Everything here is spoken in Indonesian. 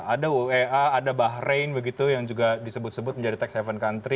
ada uwa ada bahrain begitu yang juga disebut sebut menjadi tech seven country